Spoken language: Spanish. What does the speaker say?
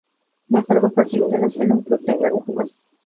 No es algo fácil, y menos en un club tan grande como este.